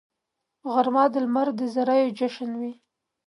غرمه د لمر د زریو جشن وي